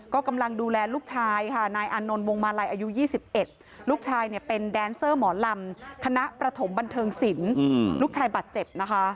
ก็กำลังดูแลลูกชายค่ะนายอานนนวงมาลัยอายุยี่สิบเอ็ด